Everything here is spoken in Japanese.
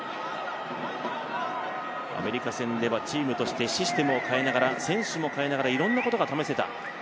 アメリカ戦ではチームとしてシステムを変えながら選手もかえながらいろんなことが試せた。